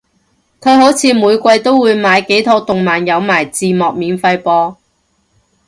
佢好似每季都會買幾套動漫有埋字幕免費播